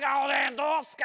どうっすか？